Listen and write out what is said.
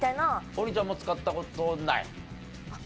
王林ちゃんも使った事ない？